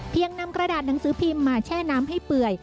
นำกระดาษหนังสือพิมพ์มาแช่น้ำให้เปื่อย